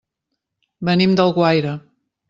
Venim d'Alguaire.